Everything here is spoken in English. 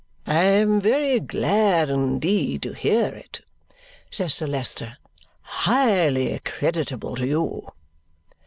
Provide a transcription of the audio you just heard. "I am very glad indeed to hear it," says Sir Leicester. "Highly creditable to you."